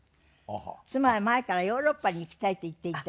妻は前からヨーロッパに行きたいと言っていた。